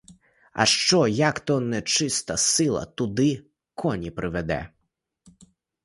А що, як то нечиста сила туди коні приведе?